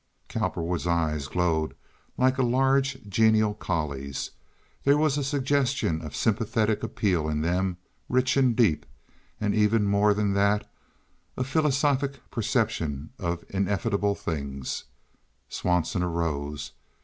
Cowperwood's eyes glowed like a large, genial collie's. There was a suggestion of sympathetic appeal in them, rich and deep, and, even more than that, a philosophic perception of ineffable things. Swanson arose.